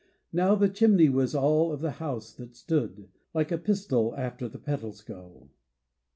Now the chimney was all of the house stood. Like a pistil after the petals go.